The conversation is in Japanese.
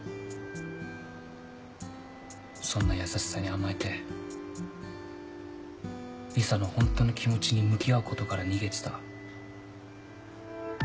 そんな優しさに甘えて理沙のホントの気持ちに向き合うことから逃げてた。